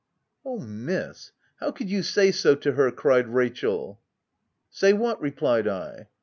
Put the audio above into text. " Oh, Miss ! how could you say so to her ?" cried Rachel. " Say what ?" replied I.